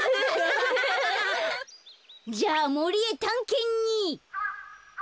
じゃあもりへたんけんに。